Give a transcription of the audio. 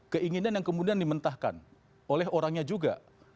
keinginan yang kemudian dimentahkan oleh orangnya juga